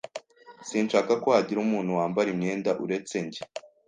Sinshaka ko hagira umuntu wambara imyenda uretse njye.